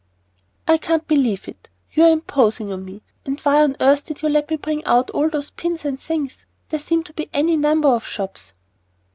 "I can't believe it. You are imposing on me. And why on earth did you let me bring out all those pins and things? There seem to be any number of shops."